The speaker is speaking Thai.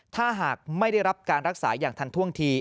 ถ้าหากไม่ได้รับการรักษาอย่างทันท่วงที